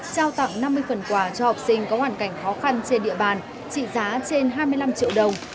trao tặng năm mươi phần quà cho học sinh có hoàn cảnh khó khăn trên địa bàn trị giá trên hai mươi năm triệu đồng